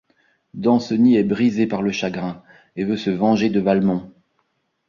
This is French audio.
Danceny est brisé par le chagrin et veut se venger de Valmont.